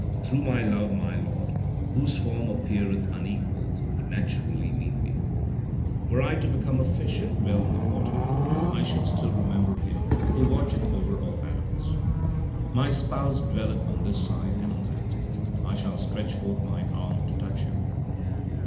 Through my love my Lord, whose form appeareth un equalled, would naturally meet me. Were I to become a fish and dwell in the water, I should still remember Him who watcheth over all animals. My Spouse dwelleth on this side and on that ; I shall stretch forth mine arm to touch Him.